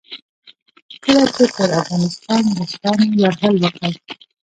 کله چې پر افغانستان روسانو یرغل وکړ.